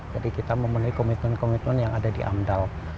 jadi kita memenuhi komitmen komitmen yang ada di amdal